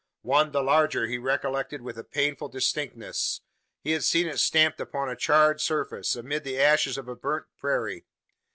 One, the larger, he recollected with a painful distinctness. He had seen it stamped upon a charred surface, amid the ashes of a burnt prairie.